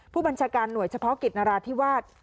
ผู้บัญชาการหน่วยเฉพาะกิจนราธิวาส